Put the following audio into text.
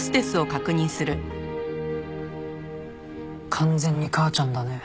完全に母ちゃんだね。